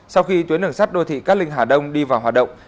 sau khi tuyến đường sắt đô thị cát linh hà đông đi vào hoạt động